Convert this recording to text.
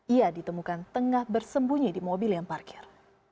ia ditemukan tengah bersembunyi di mobil yang parkir